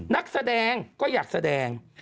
นักแสดงก็อยากแสดง